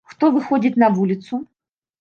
Хто выходзіць на вуліцу?